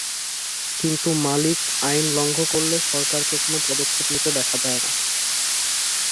কিন্তু মালিক আইন লঙ্ঘন করলে সরকারকে কোনো পদক্ষেপ নিতে দেখা যায় না।